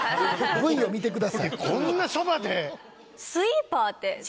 Ｖを見てください！